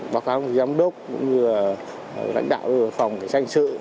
báo cáo với giám đốc lãnh đạo phòng để tranh sự